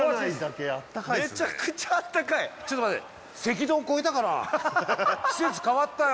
めちゃくちゃあったかいちょっと待て季節変わったよ